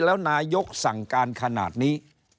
แล้วนายกสั่งการขนาดนี้